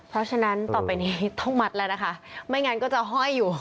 เพราะฉะนั้นต่อไปนี้ต้องมัดแล้วนะคะไม่งั้นก็จะห้อยอยู่